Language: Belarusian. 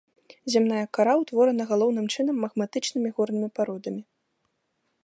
Зямная кара ўтворана галоўным чынам магматычнымі горнымі пародамі.